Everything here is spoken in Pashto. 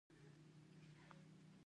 زموږ پوهان باید دا څېړنه ترسره کړي.